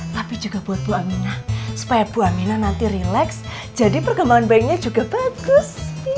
tapi juga buat ibu aminah supaya bu aminah nanti relax jadi perkembangan bayinya juga bagus